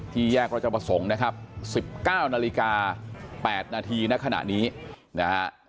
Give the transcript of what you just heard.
แยกราชประสงค์นะครับ๑๙นาฬิกา๘นาทีณขณะนี้นะฮะ